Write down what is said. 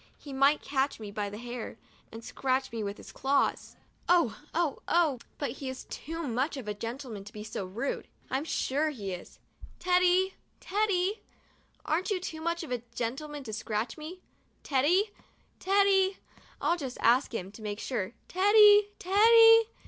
He might catch me by the hair, and scratch me with his claws. 9 THE DIARY OF A BIRTHDAY DOLL Oh! Oh! Oh! but he's too much of a gentleman to be so rude — I'm sure he is. Teddy ! Teddy ! Aren't you too much of a gentleman to scratch me? Teddy! Teddy! I'll just ask him, to make sure! Teddy! Teddy!